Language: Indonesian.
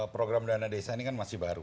program dana desa ini kan masih baru